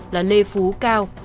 là lê phú cao